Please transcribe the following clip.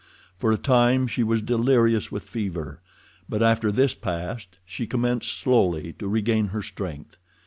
For a time she was delirious with fever, but after this passed she commenced slowly to regain her strength.